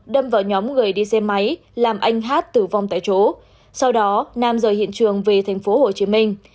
đâm vào nhóm người đi xe máy làm anh hát tử vong tại chỗ sau đó nam rời hiện trường về thành phố hồ chí minh